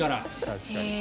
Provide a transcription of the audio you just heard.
確かに。